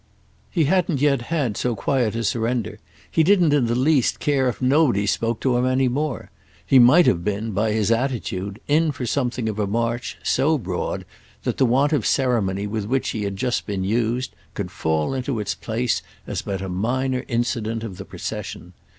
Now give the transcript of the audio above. He hadn't yet had so quiet a surrender; he didn't in the least care if nobody spoke to him more. He might have been, by his attitude, in for something of a march so broad that the want of ceremony with which he had just been used could fall into its place as but a minor incident of the procession.